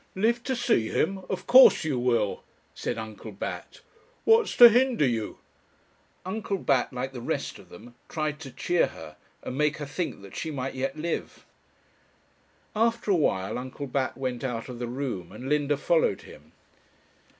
'Live to see him! of course you will,' said Uncle Bat. 'What's to hinder you?' Uncle Bat, like the rest of them, tried to cheer her, and make her think that she might yet live. After a while Uncle Bat went out of the room, and Linda followed him.